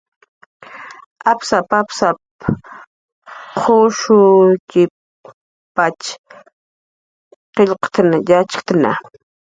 "Apsap"" apsap kushukkipatx qillqt' yatxkna"